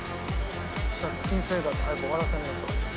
借金生活早く終わらせねえと。